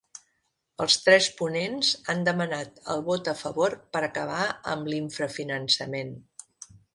Els tres ponents han demanat el vot a favor per acabar amb l’infrafinançament.